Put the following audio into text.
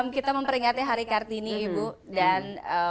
kita memperingati hari kartini ibu dan